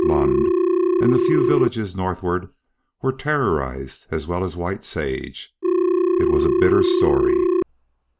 Lund and the few villages northward were terrorized as well as White Sage. It was a bitter story.